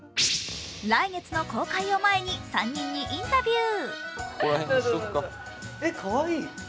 来月の公開を前に３人にインタビュー。